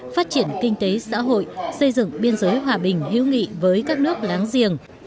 phát triển kinh tế xã hội xây dựng biên giới hòa bình hữu nghị với các nước láng giềng